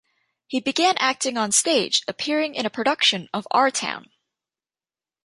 He began acting on stage, appearing in a production of "Our Town".